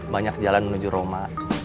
banyak jalan menuju roma